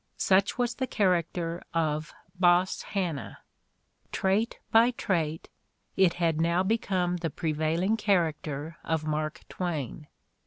Such was the character of "Boss Hanna"; trait by trait, it had now become the prevailing character of Mark Twain.